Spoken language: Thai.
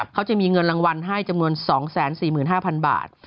เขาจะมีเงินรางวัลให้จำนวน๒๔๕๐๐๐บาท